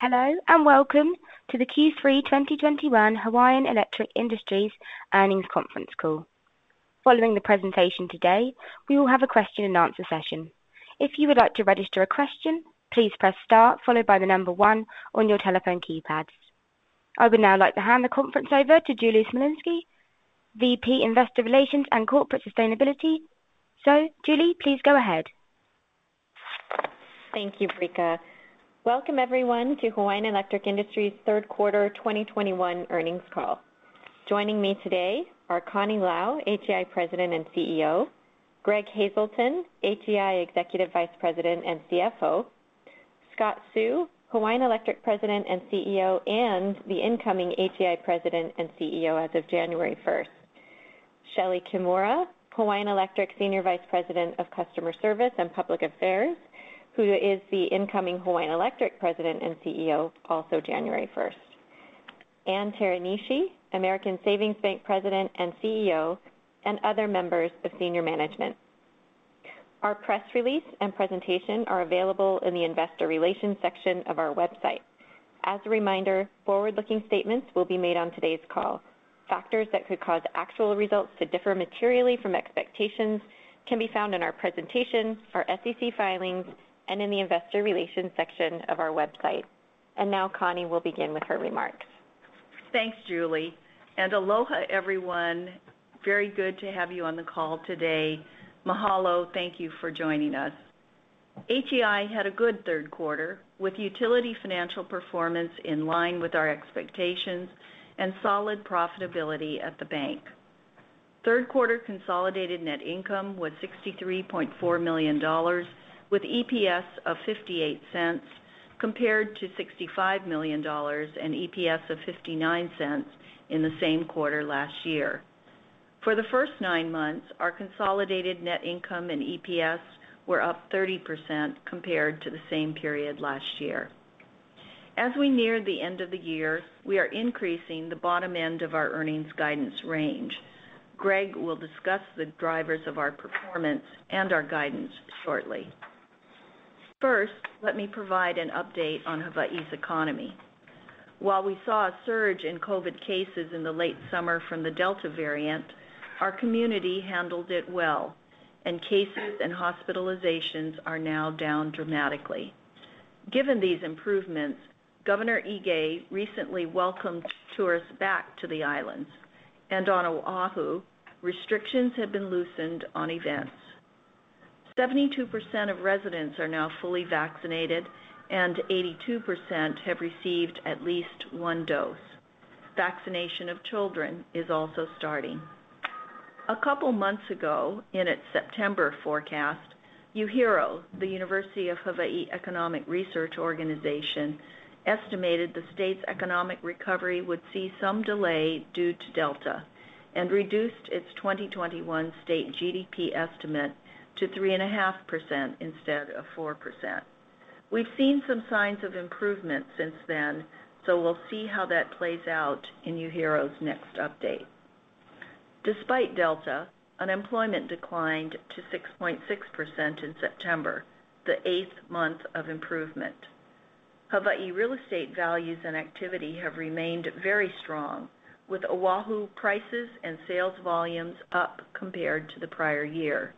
Hello, and welcome to the Q3 2021 Hawaiian Electric Industries Earnings Conference Call. Following the presentation today, we will have a question and answer session. If you would like to register a question, please press star followed by the number 1 on your telephone keypads. I would now like to hand the conference over to Julie Smolinski, VP, Investor Relations and Corporate Sustainability. Julie, please go ahead. Thank you, Vrika. Welcome everyone to Hawaiian Electric Industries third quarter 2021 earnings call. Joining me today are Connie Lau, HEI President and CEO, Greg Hazelton, HEI Executive Vice President and CFO, Scott Seu, Hawaiian Electric President and CEO, and the incoming HEI President and CEO as of January 1. Shelee Kimura, Hawaiian Electric Senior Vice President of Customer Service and Public Affairs, who is the incoming Hawaiian Electric President and CEO, also 1st January, Ann Teranishi, American Savings Bank President and CEO, and other members of senior management. Our press release and presentation are available in the investor relations section of our website. As a reminder, forward-looking statements will be made on today's call. Factors that could cause actual results to differ materially from expectations can be found in our presentation, our SEC filings, and in the investor relations section of our website. Now Connie will begin with her remarks. Thanks, Julie, and aloha everyone. Very good to have you on the call today. Mahalo. Thank you for joining us. HEI had a good third quarter with utility financial performance in line with our expectations and solid profitability at the bank. Third quarter consolidated net income was $63.4 million with EPS of $0.58 compared to $65 million and EPS of $0.59 in the same quarter last year. For the first nine months, our consolidated net income and EPS were up 30% compared to the same period last year. As we near the end of the year, we are increasing the bottom end of our earnings guidance range. Greg will discuss the drivers of our performance and our guidance shortly. First, let me provide an update on Hawaii's economy. While we saw a surge in COVID cases in the late summer from the Delta variant, our community handled it well, and cases and hospitalizations are now down dramatically. Given these improvements, Governor Ige recently welcomed tourists back to the islands, and on Oahu, restrictions have been loosened on events. 72% of residents are now fully vaccinated, and 82% have received at least one dose. Vaccination of children is also starting. A couple months ago in its September forecast, UHERO, the University of Hawaiʻi Economic Research Organization, estimated the state's economic recovery would see some delay due to Delta and reduced its 2021 state GDP estimate to 3.5% instead of 4%. We've seen some signs of improvement since then, so we'll see how that plays out in UHERO's next update. Despite Delta, unemployment declined to 6.6% in September, the eighth month of improvement. Hawaii real estate values and activity have remained very strong, with Oahu prices and sales volumes up compared to the prior year.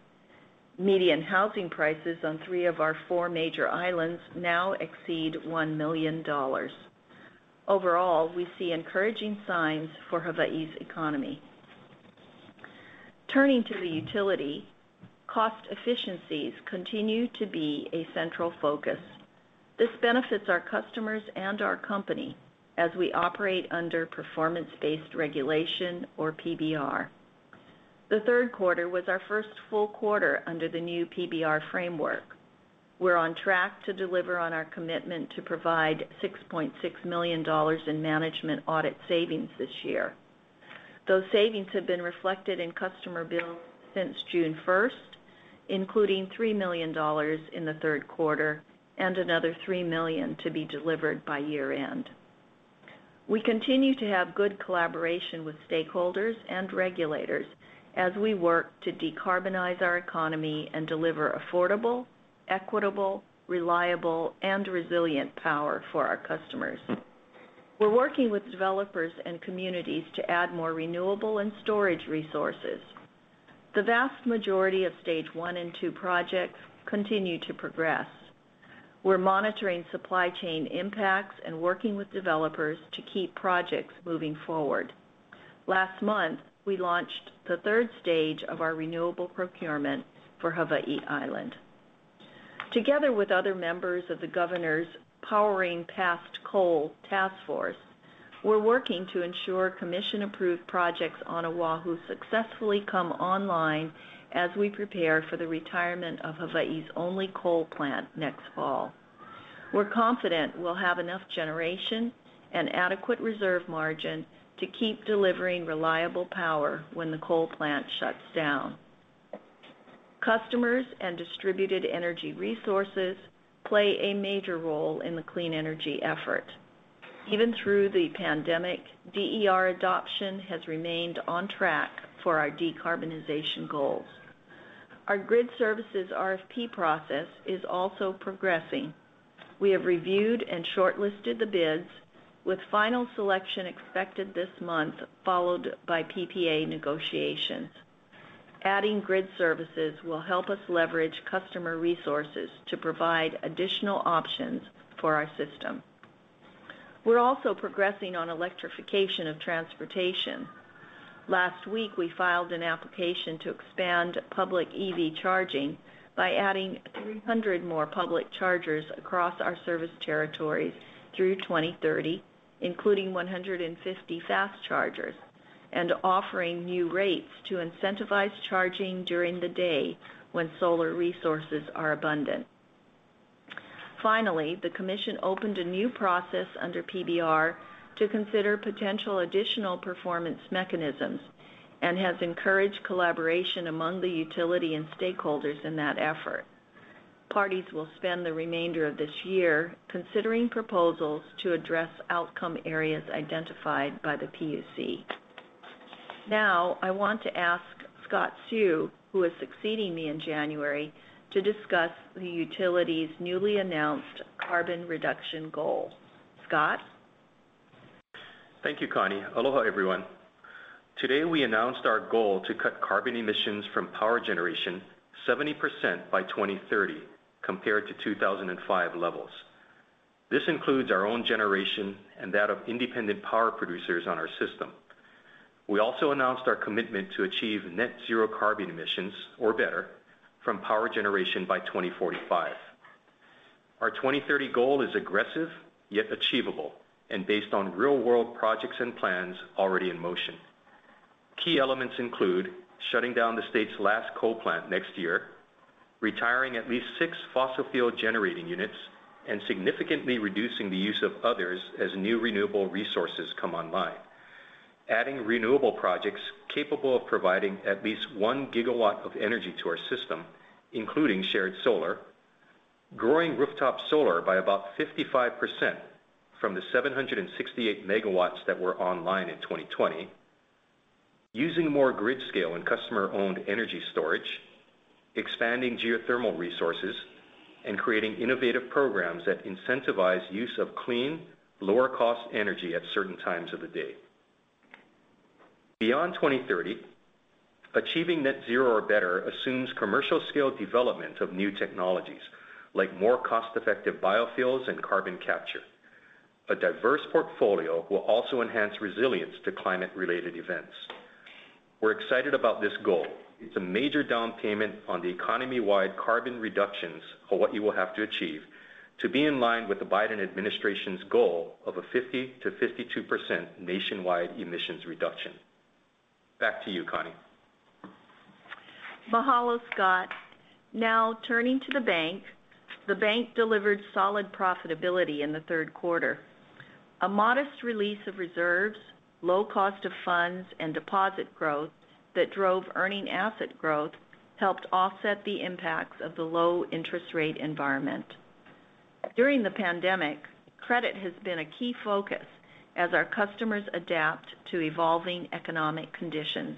Median housing prices on three of our four major islands now exceed $1 million. Overall, we see encouraging signs for Hawaii's economy. Turning to the utility, cost efficiencies continue to be a central focus. This benefits our customers and our company as we operate under performance-based regulation or PBR. The third quarter was our first full quarter under the new PBR framework. We're on track to deliver on our commitment to provide $6.6 million in management audit savings this year. Those savings have been reflected in customer bills since June 1, including $3 million in the third quarter and another $3 million to be delivered by year-end. We continue to have good collaboration with stakeholders and regulators as we work to decarbonize our economy and deliver affordable, equitable, reliable, and resilient power for our customers. We're working with developers and communities to add more renewable and storage resources. The vast majority of stage one and two projects continue to progress. We're monitoring supply chain impacts and working with developers to keep projects moving forward. Last month, we launched the third stage of our renewable procurement for Hawaiʻi Island. Together with other members of the governor's Powering Past Coal Task Force, we're working to ensure commission-approved projects on Oʻahu successfully come online as we prepare for the retirement of Hawaiʻi's only coal plant next fall. We're confident we'll have enough generation and adequate reserve margin to keep delivering reliable power when the coal plant shuts down. Customers and distributed energy resources play a major role in the clean energy effort. Even through the pandemic, DER adoption has remained on track for our decarbonization goals. Our grid services RFP process is also progressing. We have reviewed and shortlisted the bids, with final selection expected this month, followed by PPA negotiations. Adding grid services will help us leverage customer resources to provide additional options for our system. We're also progressing on electrification of transportation. Last week, we filed an application to expand public EV charging by adding 300 more public chargers across our service territories through 2030, including 150 fast chargers, and offering new rates to incentivize charging during the day when solar resources are abundant. Finally, the commission opened a new process under PBR to consider potential additional performance mechanisms and has encouraged collaboration among the utility and stakeholders in that effort. Parties will spend the remainder of this year considering proposals to address outcome areas identified by the PUC. Now, I want to ask Scott Seu, who is succeeding me in January, to discuss the utility's newly announced carbon reduction goal. Scott? Thank you, Connie. Aloha, everyone. Today, we announced our goal to cut carbon emissions from power generation 70% by 2030 compared to 2005 levels. This includes our own generation and that of independent power producers on our system. We also announced our commitment to achieve net zero carbon emissions or better from power generation by 2045. Our 2030 goal is aggressive yet achievable and based on real-world projects and plans already in motion. Key elements include shutting down the state's last coal plant next year, retiring at least 6 fossil fuel generating units, and significantly reducing the use of others as new renewable resources come online. Adding renewable projects capable of providing at least 1 GW of energy to our system, including shared solar. Growing rooftop solar by about 55% from the 768 megawatts that were online in 2020. Using more grid scale and customer-owned energy storage, expanding geothermal resources, and creating innovative programs that incentivize use of clean, lower-cost energy at certain times of the day. Beyond 2030, achieving net zero or better assumes commercial-scale development of new technologies like more cost-effective biofuels and carbon capture. A diverse portfolio will also enhance resilience to climate-related events. We're excited about this goal. It's a major down payment on the economy-wide carbon reductions Hawaii will have to achieve to be in line with the Biden administration's goal of a 50%-52% nationwide emissions reduction. Back to you, Connie. Mahalo, Scott. Now, turning to the bank, the bank delivered solid profitability in the third quarter. A modest release of reserves, low cost of funds, and deposit growth that drove earning asset growth helped offset the impacts of the low interest rate environment. During the pandemic, credit has been a key focus as our customers adapt to evolving economic conditions.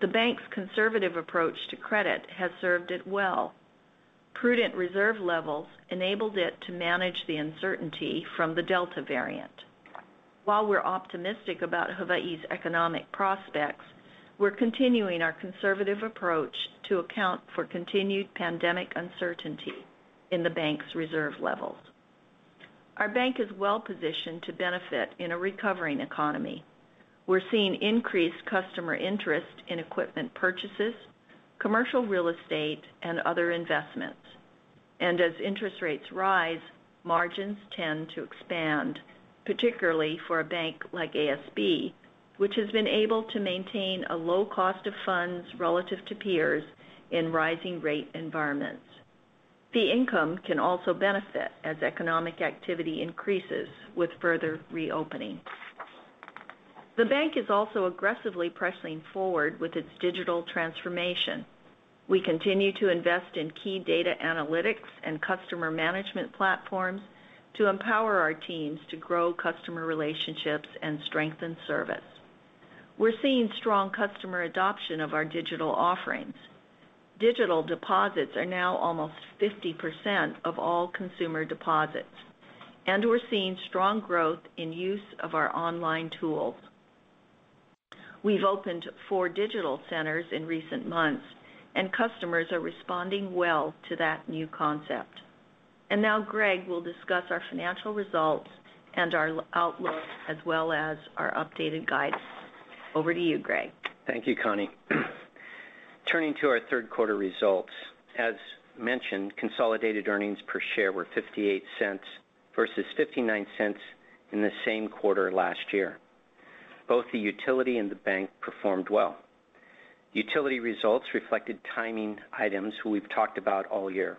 The bank's conservative approach to credit has served it well. Prudent reserve levels enabled it to manage the uncertainty from the Delta variant. While we're optimistic about Hawaii's economic prospects, we're continuing our conservative approach to account for continued pandemic uncertainty in the bank's reserve levels. Our bank is well-positioned to benefit in a recovering economy. We're seeing increased customer interest in equipment purchases, commercial real estate, and other investments. As interest rates rise, margins tend to expand, particularly for a bank like ASB, which has been able to maintain a low cost of funds relative to peers in rising rate environments. Fee income can also benefit as economic activity increases with further reopening. The bank is also aggressively pressing forward with its digital transformation. We continue to invest in key data analytics and customer management platforms to empower our teams to grow customer relationships and strengthen service. We're seeing strong customer adoption of our digital offerings. Digital deposits are now almost 50% of all consumer deposits, and we're seeing strong growth in use of our online tools. We've opened 4 digital centers in recent months, and customers are responding well to that new concept. Now Greg will discuss our financial results and our outlook as well as our updated guidance. Over to you, Greg. Thank you, Connie. Turning to our third quarter results, as mentioned, consolidated earnings per share were $0.58 versus $0.59 in the same quarter last year. Both the utility and the bank performed well. Utility results reflected timing items we've talked about all year.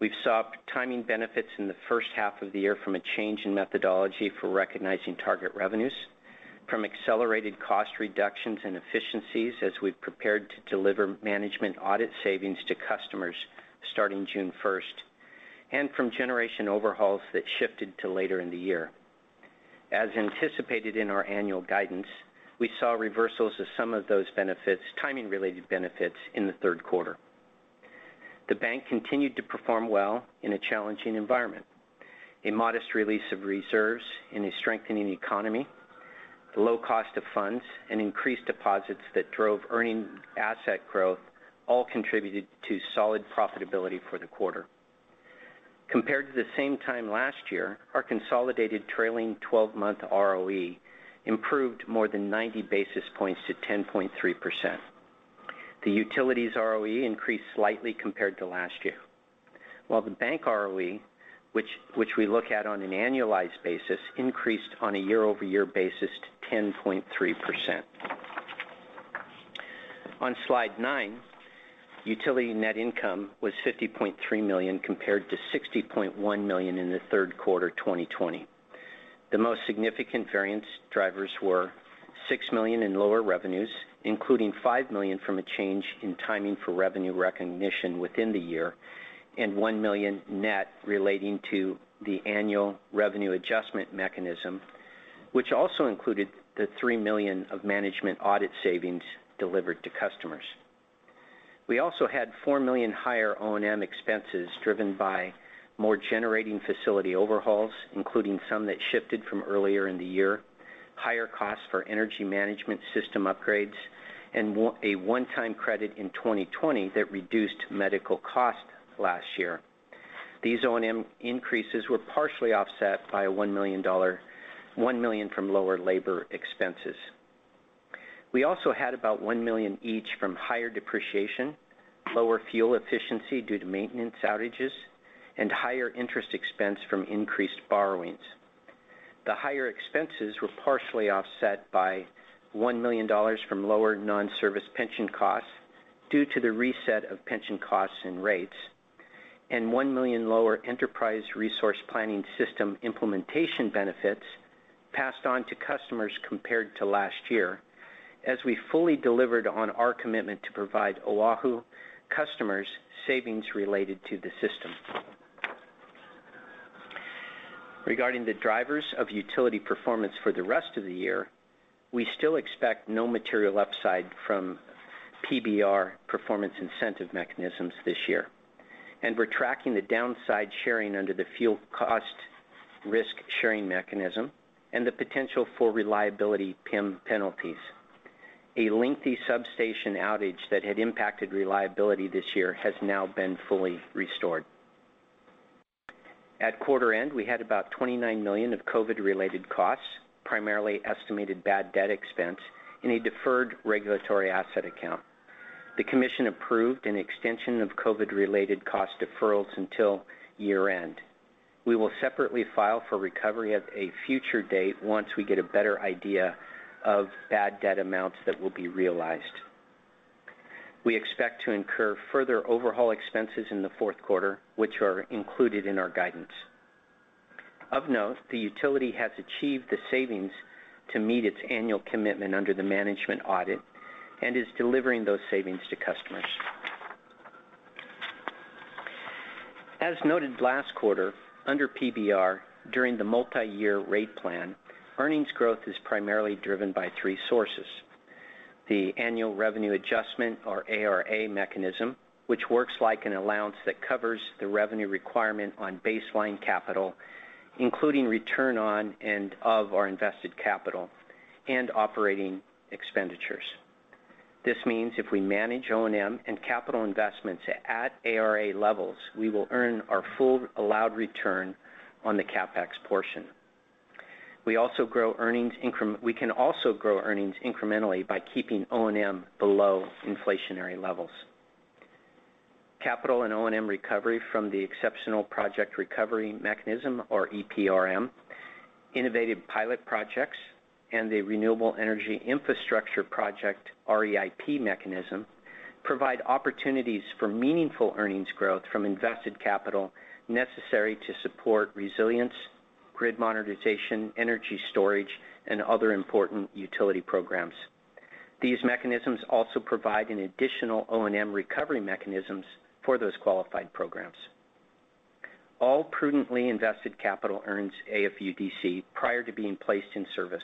We saw timing benefits in the first half of the year from a change in methodology for recognizing target revenues, from accelerated cost reductions and efficiencies as we've prepared to deliver management audit savings to customers starting June 1st, and from generation overhauls that shifted to later in the year. As anticipated in our annual guidance, we saw reversals of some of those benefits, timing-related benefits in the third quarter. The bank continued to perform well in a challenging environment. A modest release of reserves in a strengthening economy, the low cost of funds, and increased deposits that drove earning asset growth all contributed to solid profitability for the quarter. Compared to the same time last year, our consolidated trailing 12 month ROE improved more than 90 basis points to 10.3%. The utilities ROE increased slightly compared to last year. While the bank ROE, which we look at on an annualized basis, increased on a year-over-year basis to 10.3%. On slide nine, utility net income was $50.3 million, compared to $60.1 million in the third quarter 2020. The most significant variance drivers were $6 million in lower revenues, including $5 million from a change in timing for revenue recognition within the year, and $1 million net relating to the annual revenue adjustment mechanism, which also included the $3 million of management audit savings delivered to customers. We also had $4 million higher O&M expenses driven by more generating facility overhauls, including some that shifted from earlier in the year, higher costs for energy management system upgrades, and a one-time credit in 2020 that reduced medical costs last year. These O&M increases were partially offset by one million from lower labor expenses. We also had about $1 million each from higher depreciation, lower fuel efficiency due to maintenance outages, and higher interest expense from increased borrowings. The higher expenses were partially offset by $1 million from lower non-service pension costs due to the reset of pension costs and rates, and $1 million lower enterprise resource planning system implementation benefits passed on to customers compared to last year as we fully delivered on our commitment to provide Oahu customers savings related to the system. Regarding the drivers of utility performance for the rest of the year, we still expect no material upside from PBR performance incentive mechanisms this year. We're tracking the downside sharing under the fuel cost risk sharing mechanism and the potential for reliability PIM penalties. A lengthy substation outage that had impacted reliability this year has now been fully restored. At quarter end, we had about $29 million of COVID-related costs, primarily estimated bad debt expense in a deferred regulatory asset account. The commission approved an extension of COVID-related cost deferrals until year-end. We will separately file for recovery at a future date once we get a better idea of bad debt amounts that will be realized. We expect to incur further overhaul expenses in the fourth quarter, which are included in our guidance. Of note, the utility has achieved the savings to meet its annual commitment under the management audit and is delivering those savings to customers. As noted last quarter, under PBR, during the multiyear rate plan, earnings growth is primarily driven by three sources. The annual revenue adjustment, or ARA mechanism, which works like an allowance that covers the revenue requirement on baseline capital, including return on and of our invested capital and operating expenditures. This means if we manage O&M and capital investments at ARA levels, we will earn our full allowed return on the CapEx portion. We can also grow earnings incrementally by keeping O&M below inflationary levels. Capital and O&M recovery from the Exceptional Project Recovery Mechanism, or EPRM, innovative pilot projects, and the Renewable Energy Infrastructure Project, REIP mechanism, provide opportunities for meaningful earnings growth from invested capital necessary to support resilience, grid modernization, energy storage, and other important utility programs. These mechanisms also provide an additional O&M recovery mechanisms for those qualified programs. All prudently invested capital earns AFUDC prior to being placed in service,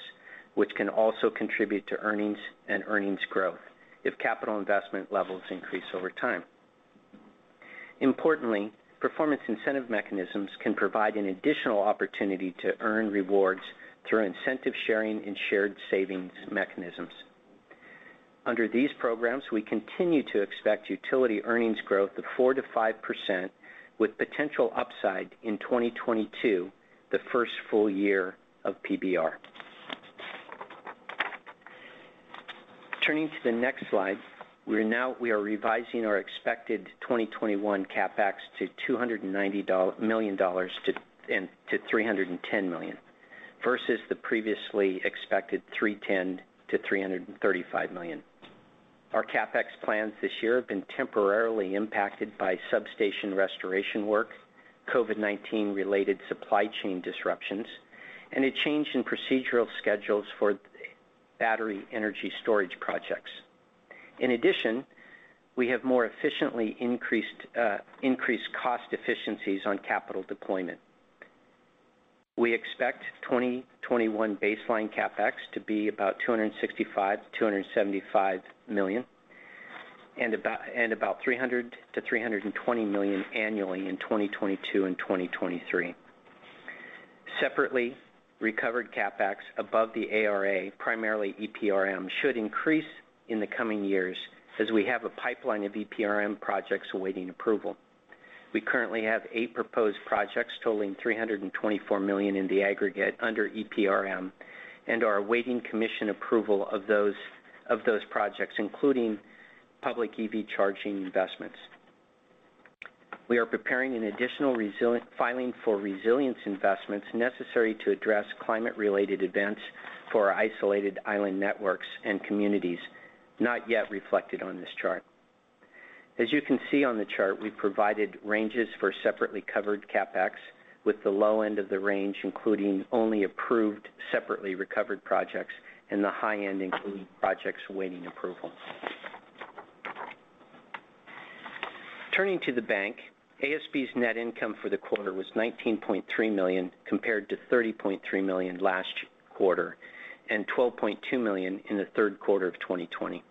which can also contribute to earnings and earnings growth if capital investment levels increase over time. Importantly, performance incentive mechanisms can provide an additional opportunity to earn rewards through incentive sharing and shared savings mechanisms. Under these programs, we continue to expect utility earnings growth of 4%-5%, with potential upside in 2022, the first full year of PBR. Turning to the next slide, we are now revising our expected 2021 CapEx to $290 million-$310 million, versus the previously expected $310 million-$335 million. Our CapEx plans this year have been temporarily impacted by substation restoration work, COVID-19 related supply chain disruptions, and a change in procedural schedules for battery energy storage projects. In addition, we have more efficiently increased cost efficiencies on capital deployment. We expect 2021 baseline CapEx to be about $265 million-$275 million, and about $300 million-$320 million annually in 2022 and 2023. Separately, recovered CapEx above the ARA, primarily EPRM, should increase in the coming years as we have a pipeline of EPRM projects awaiting approval. We currently have eight proposed projects totaling $324 million in the aggregate under EPRM and are awaiting commission approval of those projects, including public EV charging investments. We are preparing an additional resiliency filing for resilience investments necessary to address climate-related events for our isolated island networks and communities not yet reflected on this chart. As you can see on the chart, we provided ranges for separately covered CapEx, with the low end of the range including only approved separately recovered projects and the high end including projects awaiting approval. Turning to the bank, ASB's net income for the quarter was $19.3 million, compared to $30.3 million last quarter and $12.2 million in the third quarter of 2020.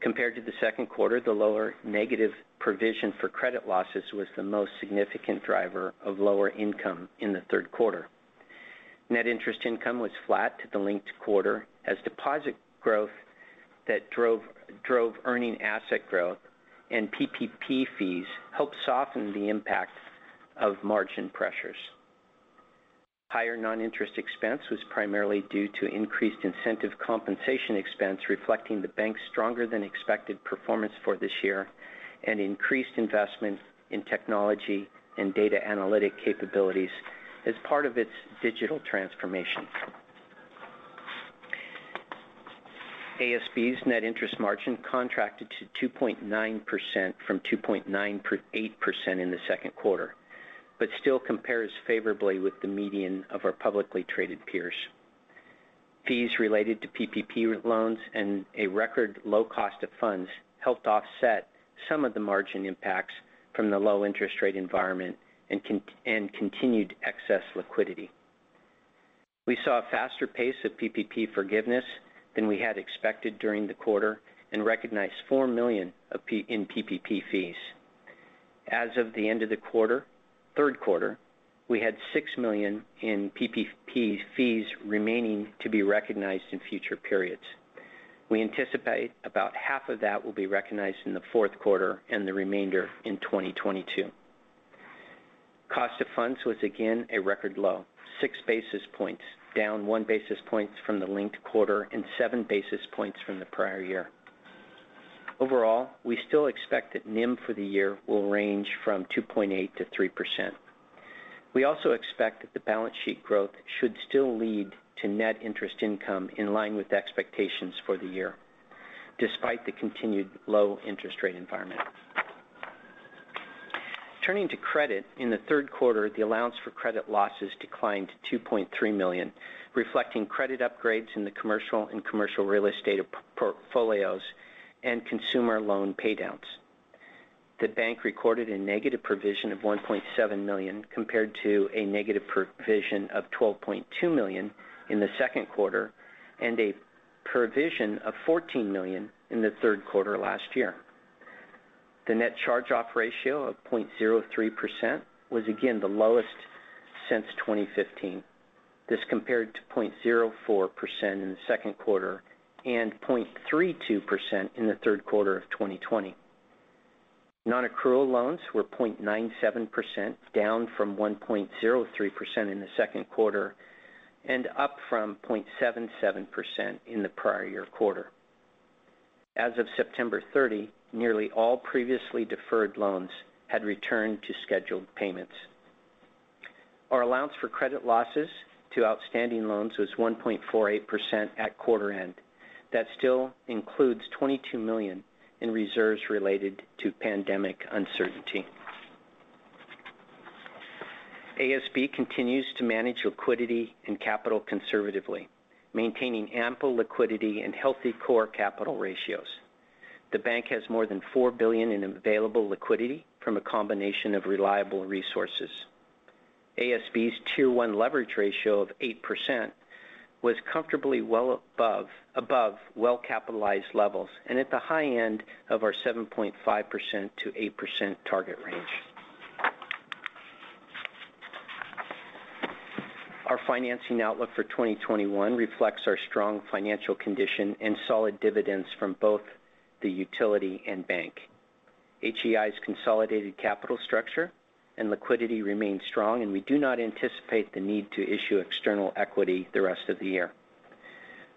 Compared to the second quarter, the lower negative provision for credit losses was the most significant driver of lower income in the third quarter. Net interest income was flat to the linked quarter as deposit growth that drove earning asset growth and PPP fees helped soften the impact of margin pressures. Higher noninterest expense was primarily due to increased incentive compensation expense, reflecting the bank's stronger than expected performance for this year and increased investment in technology and data analytic capabilities as part of its digital transformation. ASB's net interest margin contracted to 2.9% from 2.98% in the second quarter, but still compares favorably with the median of our publicly traded peers. Fees related to PPP loans and a record low cost of funds helped offset some of the margin impacts from the low interest rate environment and continued excess liquidity. We saw a faster pace of PPP forgiveness than we had expected during the quarter and recognized $4 million in PPP fees. As of the end of the third quarter, we had $6 million in PPP fees remaining to be recognized in future periods. We anticipate about half of that will be recognized in the fourth quarter and the remainder in 2022. Cost of funds was again a record low, 6 basis points, down 1 basis point from the linked quarter and 7 basis points from the prior year. Overall, we still expect that NIM for the year will range from 2.8%-3%. We also expect that the balance sheet growth should still lead to net interest income in line with expectations for the year, despite the continued low interest rate environment. Turning to credit, in the third quarter, the allowance for credit losses declined to $2.3 million, reflecting credit upgrades in the commercial and commercial real estate portfolios and consumer loan paydowns. The bank recorded a negative provision of $1.7 million compared to a negative provision of $12.2 million in the second quarter and a provision of $14 million in the third quarter last year. The net charge-off ratio of 0.03% was again the lowest since 2015. This compared to 0.04% in the second quarter and 0.32% in the third quarter of 2020. Non-accrual loans were 0.97%, down from 1.03% in the second quarter, and up from 0.77% in the prior year quarter. As of September 30, nearly all previously deferred loans had returned to scheduled payments. Our allowance for credit losses to outstanding loans was 1.48% at quarter end. That still includes $22 million in reserves related to pandemic uncertainty. ASB continues to manage liquidity and capital conservatively, maintaining ample liquidity and healthy core capital ratios. The bank has more than $4 billion in available liquidity from a combination of reliable resources. ASB's tier one leverage ratio of 8% was comfortably well above well-capitalized levels and at the high end of our 7.5%-8% target range. Our financing outlook for 2021 reflects our strong financial condition and solid dividends from both the utility and bank. HEI's consolidated capital structure and liquidity remain strong, and we do not anticipate the need to issue external equity the rest of the year.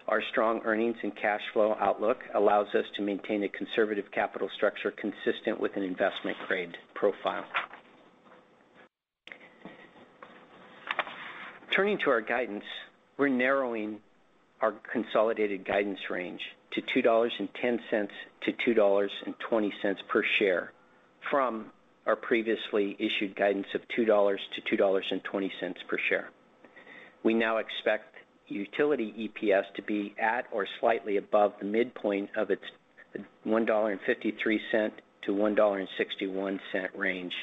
Our strong earnings and cash flow outlook allows us to maintain a conservative capital structure consistent with an investment grade profile. Turning to our guidance, we're narrowing our consolidated guidance range to $2.10-$2.20 per share from our previously issued guidance of $2-$2.20 per share. We now expect utility EPS to be at or slightly above the midpoint of its $1.53-$1.61 range,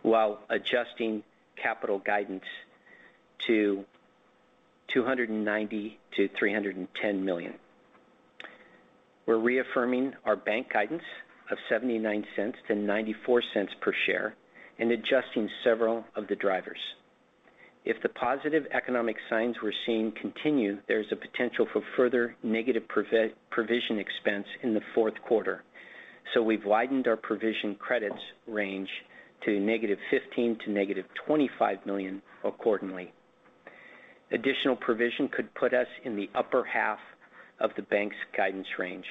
while adjusting capital guidance to $290 million-$310 million. We're reaffirming our bank guidance of $0.79-$0.94 per share and adjusting several of the drivers. If the positive economic signs we're seeing continue, there's a potential for further negative provision expense in the fourth quarter. We've widened our provision credits range to -$15 million-$25 million accordingly. Additional provision could put us in the upper half of the bank's guidance range.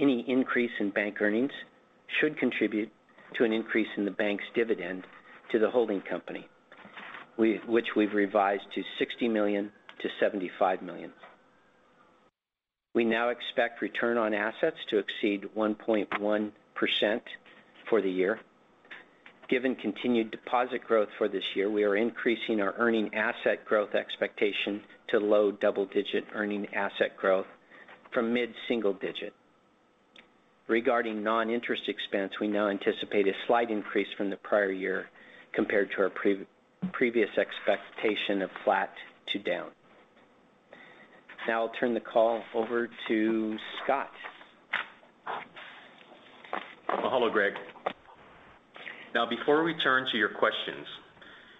Any increase in bank earnings should contribute to an increase in the bank's dividend to the holding company, we, which we've revised to $60 million-$75 million. We now expect return on assets to exceed 1.1% for the year. Given continued deposit growth for this year, we are increasing our earning asset growth expectation to low double-digit earning asset growth from mid-single-digit. Regarding non-interest expense, we now anticipate a slight increase from the prior year compared to our previous expectation of flat to down. Now I'll turn the call over to Scott. Mahalo, Greg. Now, before we turn to your questions,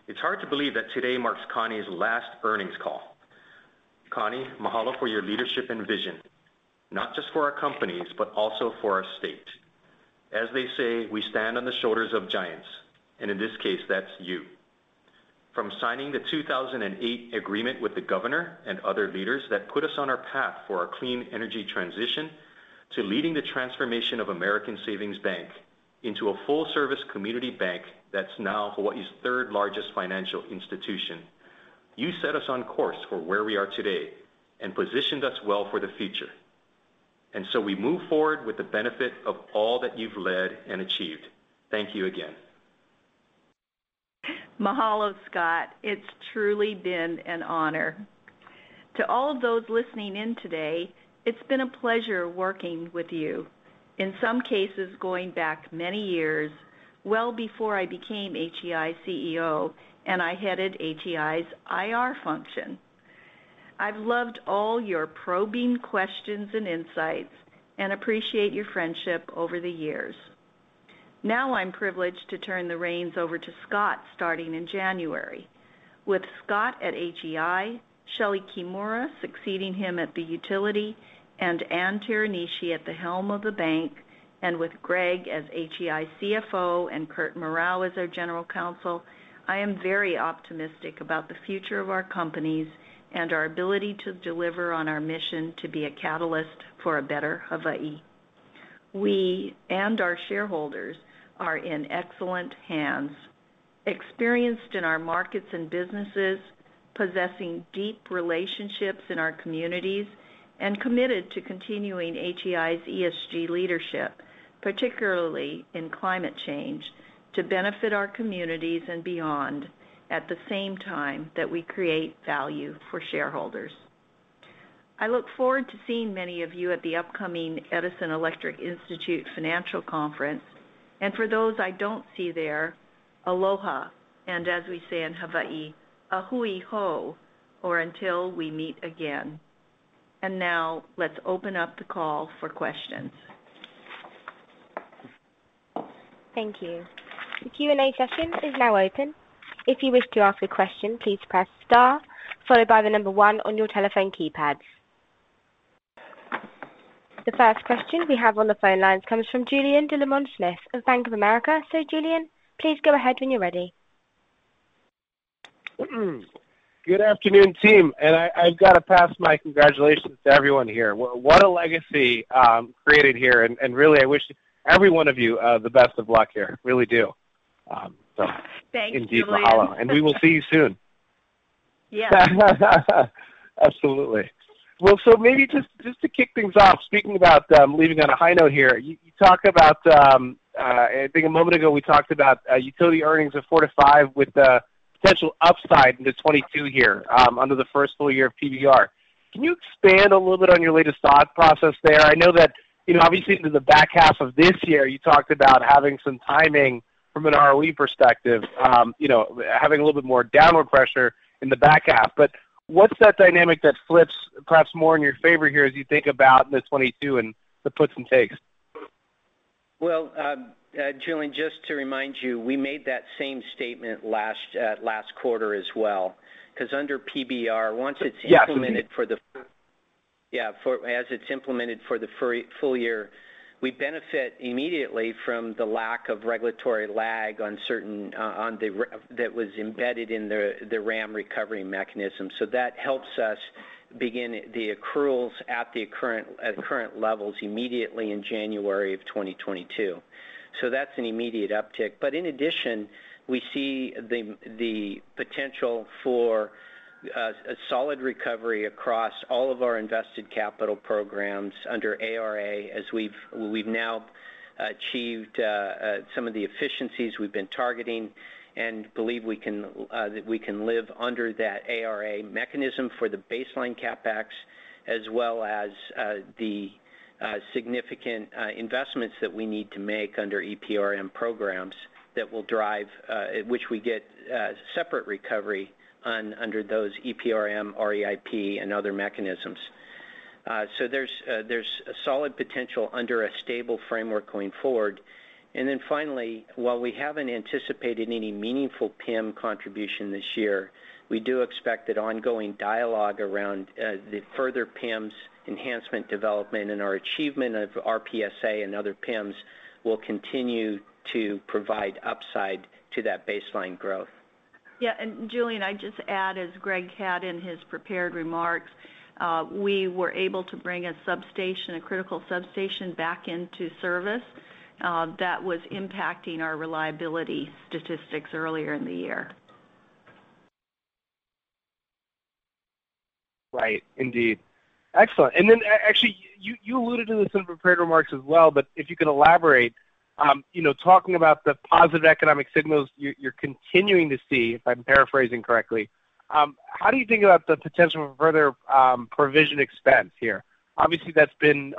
it's hard to believe that today marks Connie's last earnings call. Connie, mahalo for your leadership and vision, not just for our companies, but also for our state. As they say, we stand on the shoulders of giants, and in this case, that's you. From signing the 2008 agreement with the governor and other leaders that put us on our path for a clean energy transition to leading the transformation of American Savings Bank into a full-service community bank that's now Hawaii's third-largest financial institution. You set us on course for where we are today and positioned us well for the future. We move forward with the benefit of all that you've led and achieved. Thank you again. Mahalo, Scott. It's truly been an honor. To all of those listening in today, it's been a pleasure working with you, in some cases, going back many years, well before I became HEI CEO, and I headed HEI's IR function. I've loved all your probing questions and insights and appreciate your friendship over the years. Now, I'm privileged to turn the reins over to Scott starting in January. With Scott at HEI, Shelee Kimura succeeding him at the utility, and Ann Teranishi at the helm of the bank, and with Greg as HEI CFO and Kurt Murao as our General Counsel, I am very optimistic about the future of our companies and our ability to deliver on our mission to be a catalyst for a better Hawaiʻi. We and our shareholders are in excellent hands. Experienced in our markets and businesses, possessing deep relationships in our communities, and committed to continuing HEI's ESG leadership, particularly in climate change, to benefit our communities and beyond, at the same time that we create value for shareholders. I look forward to seeing many of you at the upcoming Edison Electric Institute Financial Conference. For those I don't see there, aloha, and as we say in Hawaii, a hui hou, or until we meet again. Now let's open up the call for questions. Thank you. The Q&A session is now open. If you wish to ask a question, please press star followed by the number one on your telephone keypad. The first question we have on the phone lines comes from Julien Dumoulin-Smith of Bank of America. Julien, please go ahead when you're ready. Good afternoon, team. I've got to pass my congratulations to everyone here. What a legacy created here. Really, I wish every one of you the best of luck here. I really do. Thank you, Julien. A deep mahalo. We will see you soon. Yeah. Absolutely. Well, so maybe just to kick things off, speaking about leaving on a high note here. You talked about, I think a moment ago, we talked about utility earnings of $4-$5 with the potential upside into 2022 here, under the first full year of PBR. Can you expand a little bit on your latest thought process there? I know that, you know, obviously, in the back half of this year, you talked about having some timing from an ROE perspective, you know, having a little bit more downward pressure in the back half. But what's that dynamic that flips perhaps more in your favor here as you think about the 2022 and the puts and takes? Well, Julien, just to remind you, we made that same statement last quarter as well, because under PBR, once it's implemented for the- Yes. Yeah, as it's implemented for the full year, we benefit immediately from the lack of regulatory lag on certain return that was embedded in the RAM recovery mechanism. That helps us begin the accruals at current levels immediately in January of 2022. That's an immediate uptick. In addition, we see the potential for a solid recovery across all of our invested capital programs under ARA, as we've now achieved some of the efficiencies we've been targeting and believe we can live under that ARA mechanism for the baseline CapEx as well as the significant investments that we need to make under EPRM programs that will drive which we get separate recovery on under those EPRM, REIP, and other mechanisms. There's a solid potential under a stable framework going forward. Finally, while we haven't anticipated any meaningful PIM contribution this year, we do expect that ongoing dialogue around the further PIMs enhancement development and our achievement of RPSA and other PIMs will continue to provide upside to that baseline growth. Yeah, Julien, I'd just add, as Greg had in his prepared remarks, we were able to bring a substation, a critical substation back into service, that was impacting our reliability statistics earlier in the year. Right. Indeed. Excellent. Actually, you alluded to this in prepared remarks as well, but if you could elaborate, you know, talking about the positive economic signals you're continuing to see, if I'm paraphrasing correctly, how do you think about the potential for further provision expense here? Obviously, that's been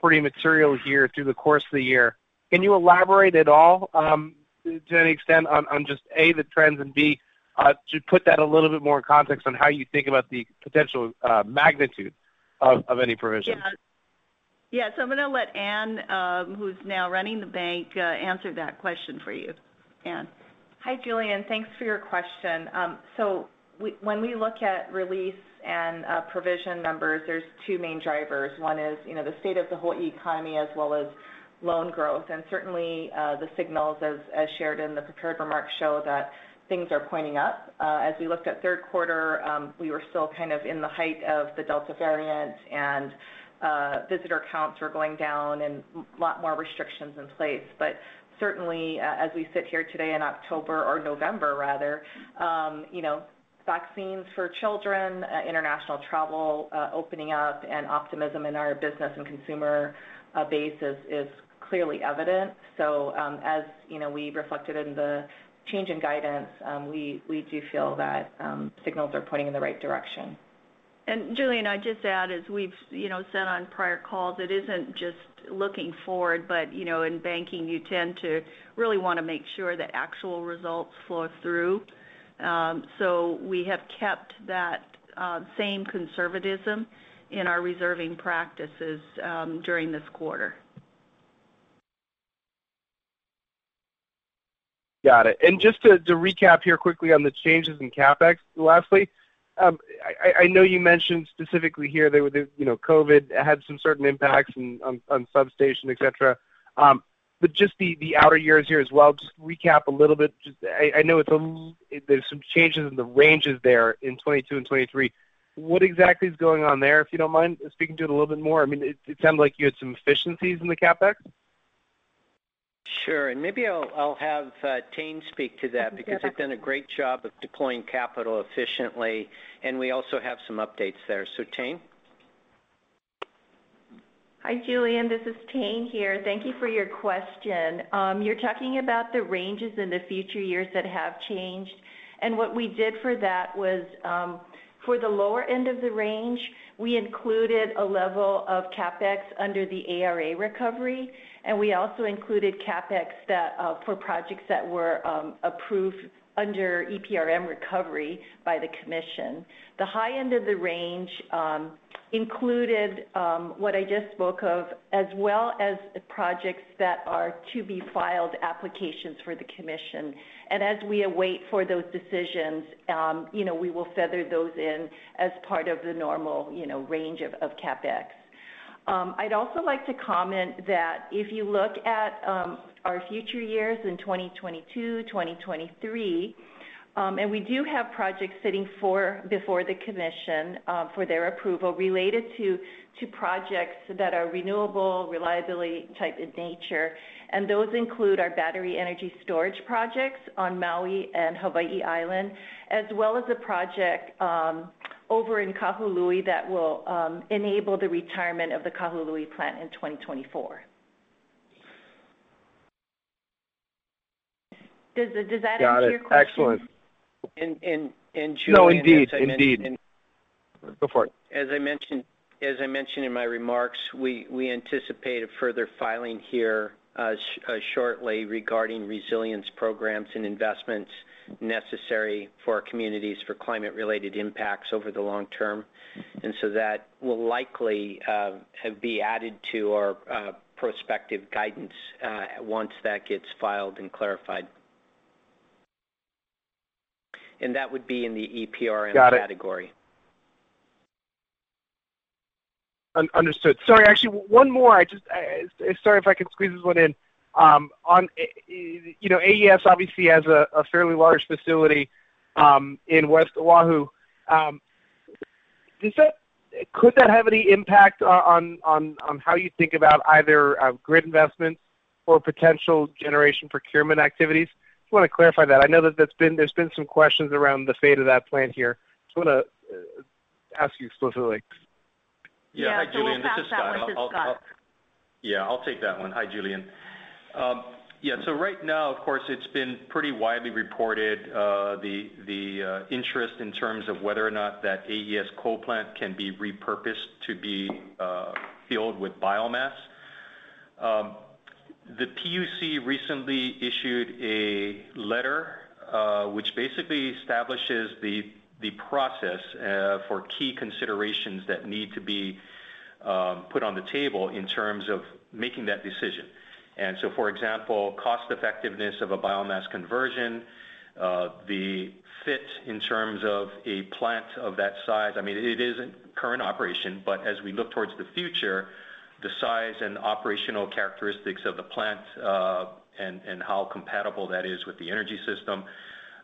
pretty material here through the course of the year. Can you elaborate at all, to any extent on just, A, the trends, and B, to put that a little bit more in context on how you think about the potential magnitude of any provision? Yeah. Yeah, so I'm gonna let Ann, who's now running the bank, answer that question for you. Ann. Hi, Julien. Thanks for your question. When we look at release and provision numbers, there's two main drivers. One is, you know, the state of the whole economy as well as loan growth. Certainly, the signals as shared in the prepared remarks show that things are pointing up. As we looked at third quarter, we were still kind of in the height of the Delta variant, and visitor counts were going down and a lot more restrictions in place. Certainly, as we sit here today in October, or November rather, you know, vaccines for children, international travel opening up, and optimism in our business and consumer base is clearly evident. As you know, we reflected in the change in guidance. We do feel that signals are pointing in the right direction. Julien, I'd just add, as we've, you know, said on prior calls, it isn't just looking forward, but, you know, in banking, you tend to really want to make sure the actual results flow through. So we have kept that same conservatism in our reserving practices during this quarter. Got it. Just to recap here quickly on the changes in CapEx lastly, I know you mentioned specifically here that, you know, COVID had some certain impacts on substation, et cetera. But just the outer years here as well, just recap a little bit. I know there's some changes in the ranges there in 2022 and 2023. What exactly is going on there, if you don't mind speaking to it a little bit more? I mean, it sounded like you had some efficiencies in the CapEx. Sure. Maybe I'll have Tayne speak to that because they've done a great job of deploying capital efficiently, and we also have some updates there. Tayne? Hi, Julien, this is Tayne here. Thank you for your question. You're talking about the ranges in the future years that have changed, and what we did for that was, for the lower end of the range, we included a level of CapEx under the ARA recovery, and we also included CapEx that, for projects that were, approved under EPRM recovery by the commission. The high end of the range included what I just spoke of, as well as projects that are to be filed applications for the commission. As we await for those decisions, you know, we will feather those in as part of the normal, you know, range of CapEx. I'd also like to comment that if you look at our future years in 2022, 2023, and we do have projects sitting before the commission for their approval related to projects that are renewable, reliability type in nature. Those include our battery energy storage projects on Maui and Hawaii Island, as well as a project over in Kahului that will enable the retirement of the Kahului plant in 2024. Does that answer your question? Got it. Excellent. Julien, as I mentioned. No, indeed. Indeed. Go for it. As I mentioned in my remarks, we anticipate a further filing here shortly regarding resilience programs and investments necessary for our communities for climate-related impacts over the long term. That will likely be added to our prospective guidance once that gets filed and clarified. That would be in the EPRM category. Got it. Understood. Sorry, actually one more. Sorry, if I could squeeze this one in. You know, AES obviously has a fairly large facility in West Oahu. Could that have any impact on how you think about either grid investments or potential generation procurement activities? Just want to clarify that. I know that there's been some questions around the fate of that plan here. Just wanna ask you explicitly. Yeah. Hi, Julien. This is Scott. Yeah. We'll pass that one to Scott. Yeah, I'll take that one. Hi, Julien. Yeah, so right now, of course, it's been pretty widely reported, the interest in terms of whether or not that AES coal plant can be repurposed to be filled with biomass. The PUC recently issued a letter, which basically establishes the process for key considerations that need to be put on the table in terms of making that decision. For example, cost effectiveness of a biomass conversion, the fit in terms of a plant of that size. I mean, it is in current operation, but as we look towards the future, the size and operational characteristics of the plant, and how compatible that is with the energy system,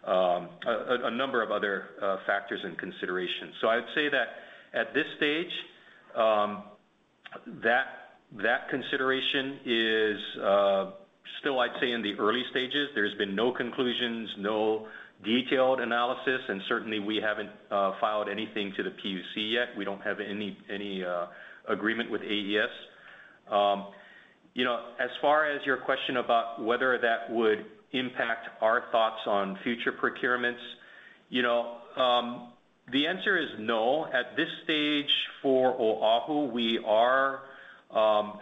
a number of other factors and considerations. I'd say that at this stage, that consideration is still, I'd say, in the early stages. There's been no conclusions, no detailed analysis, and certainly we haven't filed anything to the PUC yet. We don't have any agreement with AES. You know, as far as your question about whether that would impact our thoughts on future procurements, you know, the answer is no. At this stage for Oʻahu, we are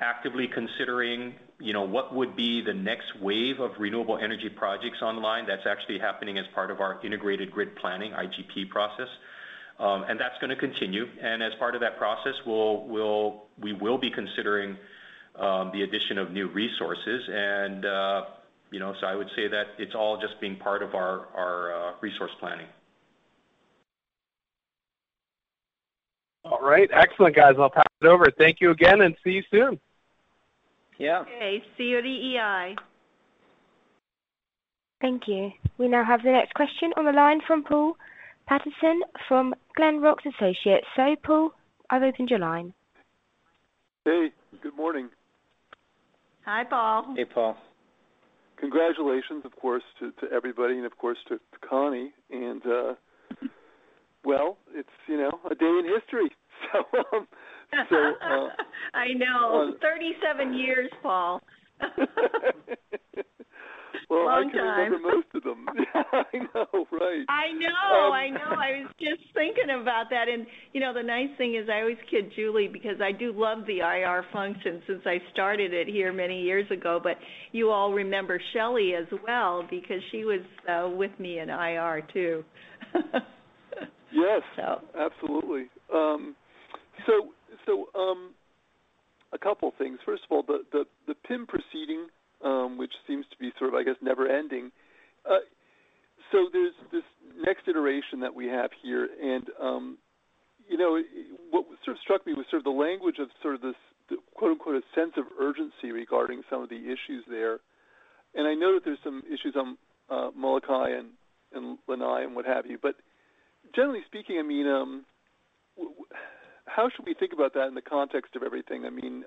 actively considering, you know, what would be the next wave of renewable energy projects online. That's actually happening as part of our Integrated Grid Planning, IGP process. That's gonna continue. As part of that process, we will be considering the addition of new resources and, you know. I would say that it's all just being part of our resource planning. All right. Excellent, guys. I'll pass it over. Thank you again, and see you soon. Yeah. Okay. See you at EEI. Thank you. We now have the next question on the line from Paul Patterson from Glenrock Associates. Paul, I've opened your line. Hey, good morning. Hi, Paul. Hey, Paul. Congratulations, of course, to everybody and, of course, to Connie. Well, it's, you know, a day in history. I know. 37 years, Paul. Well, I can remember most of them. I know, right. I know. I was just thinking about that. You know, the nice thing is I always kid Julie because I do love the IR function since I started it here many years ago. You all remember Shelley as well because she was with me in IR, too. Yes, absolutely. A couple things. First of all, the PIM proceeding, which seems to be sort of, I guess, never-ending. There's this next iteration that we have here. You know, what sort of struck me was sort of the language of sort of this “a sense of urgency” regarding some of the issues there. I know that there's some issues on Molokai and Lanai and what have you. Generally speaking, I mean, how should we think about that in the context of everything? I mean,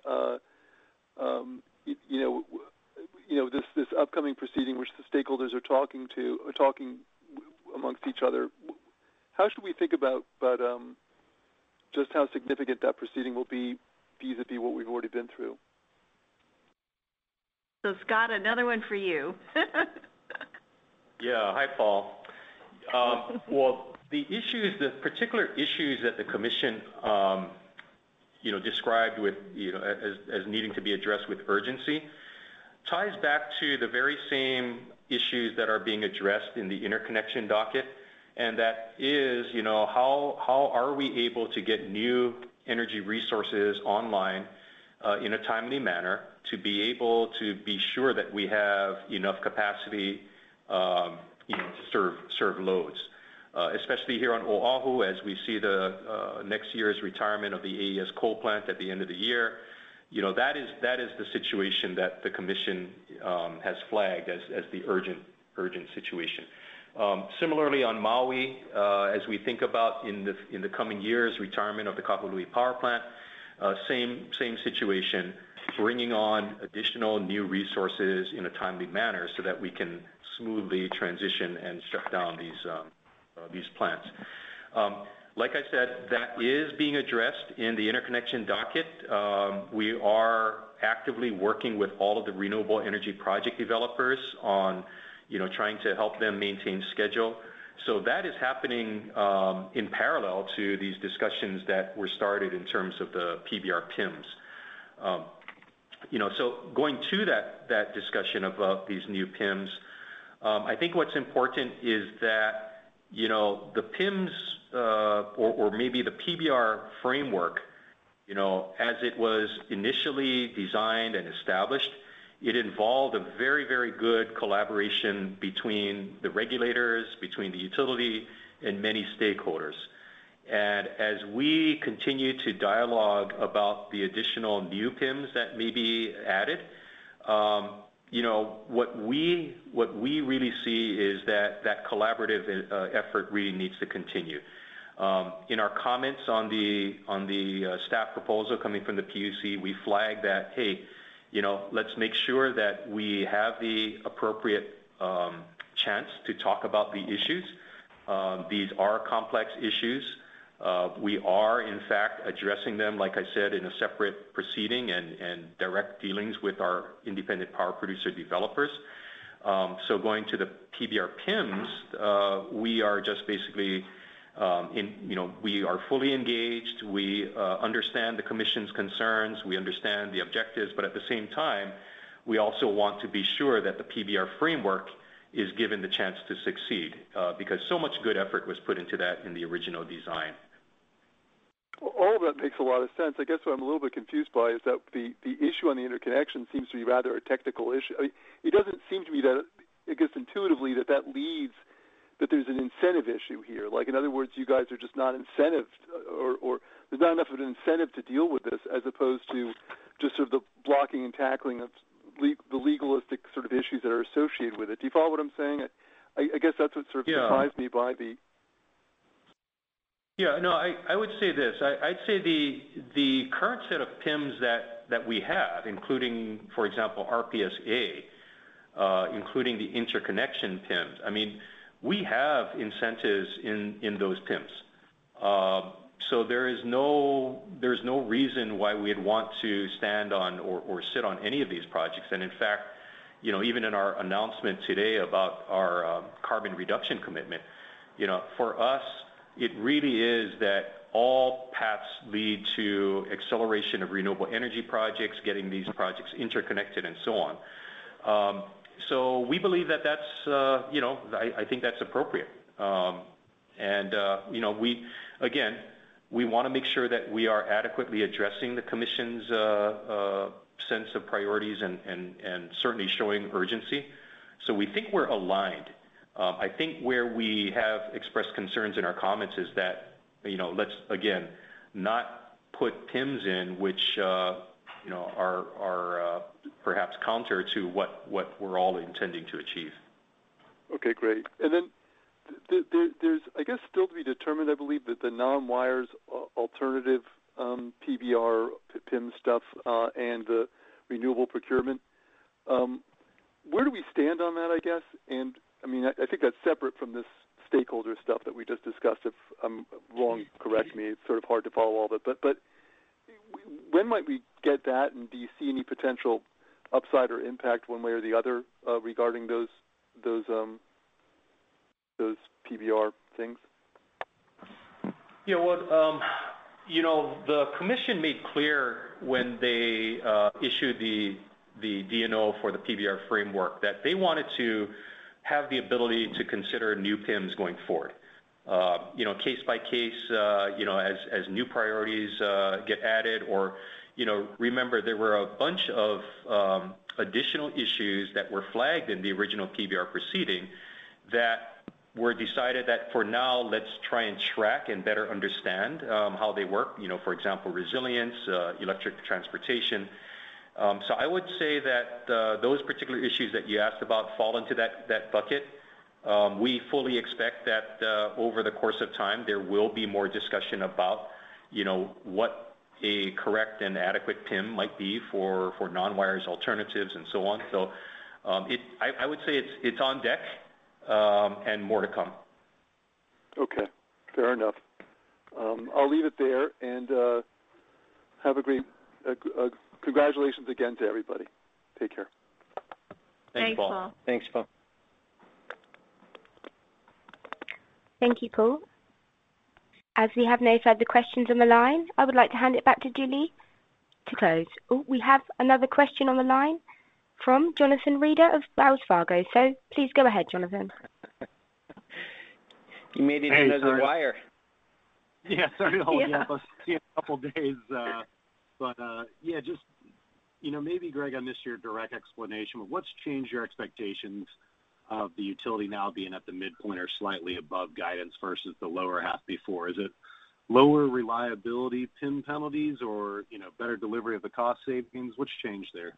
you know, this upcoming proceeding which the stakeholders are talking amongst each other, how should we think about just how significant that proceeding will be vis-à-vis what we've already been through? Scott, another one for you. Yeah. Hi, Paul. Well, the issues, the particular issues that the commission, you know, described as needing to be addressed with urgency ties back to the very same issues that are being addressed in the interconnection docket. That is, you know, how are we able to get new energy resources online in a timely manner to be able to be sure that we have enough capacity, you know, to serve loads. Especially here on Oʻahu as we see next year's retirement of the AES coal plant at the end of the year. You know, that is the situation that the commission has flagged as the urgent situation. Similarly on Maui, as we think about in the coming years, retirement of the Kahului Power Plant, same situation, bringing on additional new resources in a timely manner so that we can smoothly transition and shut down these plants. Like I said, that is being addressed in the interconnection docket. We are actively working with all of the renewable energy project developers, you know, trying to help them maintain schedule. That is happening in parallel to these discussions that were started in terms of the PBR PIMs. You know, going to that discussion about these new PIMs, I think what's important is that, you know, the PIMs or maybe the PBR framework, you know, as it was initially designed and established, it involved a very good collaboration between the regulators, between the utility, and many stakeholders. As we continue to dialogue about the additional new PIMs that may be added, you know, what we really see is that that collaborative effort really needs to continue. In our comments on the staff proposal coming from the PUC, we flagged that, hey, you know, let's make sure that we have the appropriate chance to talk about the issues. These are complex issues. We are in fact addressing them, like I said, in a separate proceeding and direct dealings with our independent power producer developers. Going to the PBR PIMs, we are just basically you know, we are fully engaged. We understand the Commission's concerns. We understand the objectives, but at the same time, we also want to be sure that the PBR framework is given the chance to succeed, because so much good effort was put into that in the original design. All that makes a lot of sense. I guess what I'm a little bit confused by is that the issue on the interconnection seems to be rather a technical issue. It doesn't seem to me that, I guess, intuitively, that leaves that there's an incentive issue here. Like, in other words, you guys are just not incentived or there's not enough of an incentive to deal with this as opposed to just sort of the blocking and tackling of the legalistic sort of issues that are associated with it. Do you follow what I'm saying? I guess that's what sort of Yeah. surprised me by the Yeah, no, I would say this. I'd say the current set of PIMs that we have, including, for example, RPSA, including the interconnection PIMs. I mean, we have incentives in those PIMs. So there is no, there's no reason why we'd want to stand on or sit on any of these projects. In fact, you know, even in our announcement today about our carbon reduction commitment, you know, for us, it really is that all paths lead to acceleration of renewable energy projects, getting these projects interconnected and so on. So we believe that that's you know, I think that's appropriate. And you know, again, we want to make sure that we are adequately addressing the Commission's sense of priorities and certainly showing urgency. We think we're aligned. I think where we have expressed concerns in our comments is that, you know, let's again, not put PIMs in which, you know, are perhaps counter to what we're all intending to achieve. Okay, great. There's, I guess, still to be determined, I believe, that the non-wires alternative, PBR PIMs stuff, and the renewable procurement. Where do we stand on that, I guess? I mean, I think that's separate from this stakeholder stuff that we just discussed. If I'm wrong, correct me. It's sort of hard to follow all that. When might we get that? Do you see any potential upside or impact one way or the other, regarding those PBR things? You know what? You know, the Commission made clear when they issued the D&O for the PBR framework that they wanted to have the ability to consider new PIMs going forward. You know, case by case, you know, as new priorities get added or, you know. Remember, there were a bunch of additional issues that were flagged in the original PBR proceeding that were decided that for now, let's try and track and better understand how they work. You know, for example, resilience, electric transportation. So I would say that those particular issues that you asked about fall into that bucket. We fully expect that over the course of time, there will be more discussion about, you know, what a correct and adequate PIM might be for non-wires alternatives and so on. I would say it's on deck, and more to come. Okay, fair enough. I'll leave it there and congratulations again to everybody. Take care. Thanks, Paul. Thanks, Paul. Thank you, Paul. As we have no further questions on the line, I would like to hand it back to Julie to close. Oh, we have another question on the line from Jonathan Reeder of Wells Fargo. Please go ahead, Jonathan. He made it in as a wire. Yeah. Sorry to hold you up. Haven't seen you in a couple days. You know, maybe Greg, I missed your direct explanation. What's changed your expectations of the utility now being at the midpoint or slightly above guidance versus the lower half before? Is it lower reliability PIM penalties or, you know, better delivery of the cost savings? What's changed there?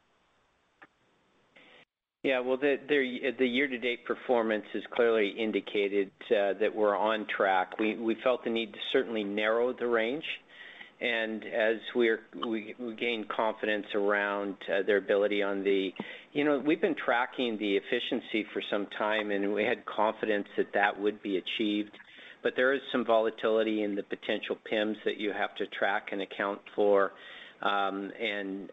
Well, the year to date performance has clearly indicated that we're on track. We felt the need to certainly narrow the range. We gained confidence around their ability. You know, we've been tracking the efficiency for some time, and we had confidence that that would be achieved. There is some volatility in the potential PIMs that you have to track and account for, and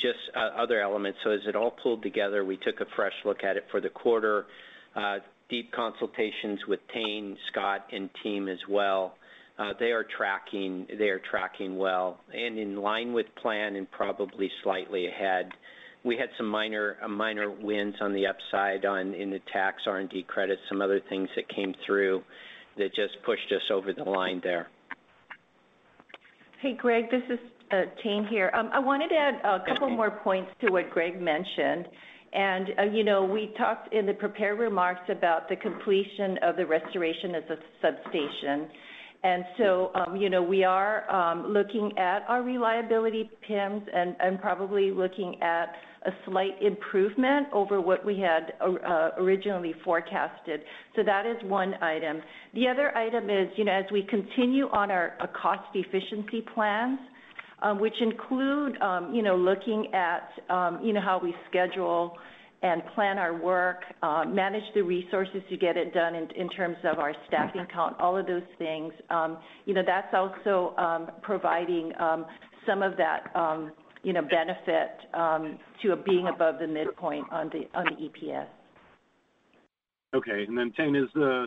just other elements. As it all pulled together, we took a fresh look at it for the quarter. Deep consultations with Tayne, Scott, and team as well. They are tracking well and in line with plan and probably slightly ahead. We had some minor wins on the upside in the tax R&D credits, some other things that came through that just pushed us over the line there. Hey, Greg, this is Tayne here. I wanted to add a couple more points to what Greg mentioned. You know, we talked in the prepared remarks about the completion of the restoration of the substation. You know, we are looking at our reliability PIMs and probably looking at a slight improvement over what we had or originally forecasted. That is one item. The other item is, you know, as we continue on our cost efficiency plans, which include, you know, looking at, you know, how we schedule and plan our work, manage the resources to get it done in terms of our staffing count, all of those things. You know, that's also providing some of that, you know, benefit to being above the midpoint on the EPS. Okay. 10 is the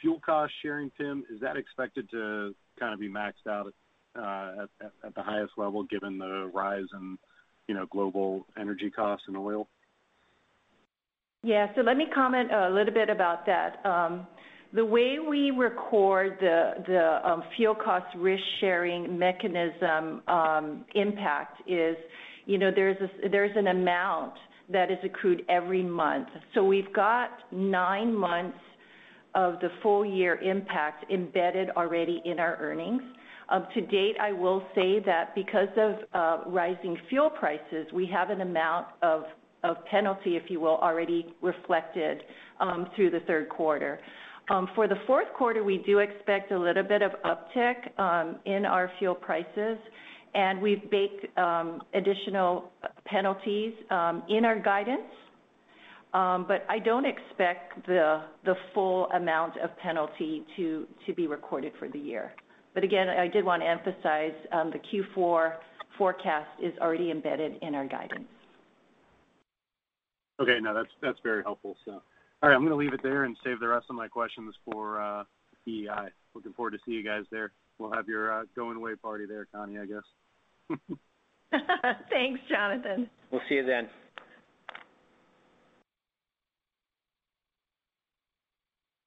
fuel cost sharing, PIM, is that expected to kind of be maxed out at the highest level given the rise in, you know, global energy costs and oil? Yeah. Let me comment a little bit about that. The way we record the fuel cost risk-sharing mechanism impact is, you know, there's an amount that is accrued every month. We've got nine months of the full year impact embedded already in our earnings. To date, I will say that because of rising fuel prices, we have an amount of penalty, if you will, already reflected through the third quarter. For the fourth quarter, we do expect a little bit of uptick in our fuel prices, and we've baked additional penalties in our guidance. I don't expect the full amount of penalty to be recorded for the year. Again, I did want to emphasize the Q4 forecast is already embedded in our guidance. Okay. No, that's very helpful. All right, I'm going to leave it there and save the rest of my questions for EEI. Looking forward to see you guys there. We'll have your going away party there, Connie, I guess. Thanks, Jonathan. We'll see you then.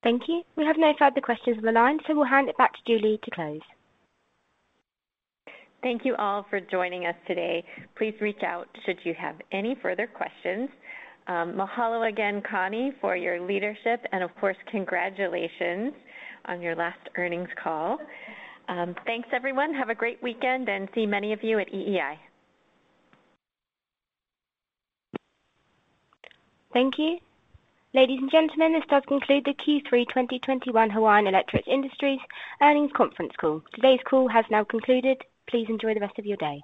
Thank you. We have no further questions on the line, so we'll hand it back to Julie to close. Thank you all for joining us today. Please reach out should you have any further questions. Mahalo again, Connie, for your leadership, and of course, congratulations on your last earnings call. Thanks, everyone. Have a great weekend and see many of you at EEI. Thank you. Ladies and gentlemen, this does conclude the Q3 2021 Hawaiian Electric Industries Earnings Conference Call. Today's call has now concluded. Please enjoy the rest of your day.